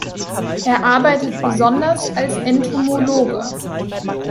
Er arbeitet besonders als Entomologe.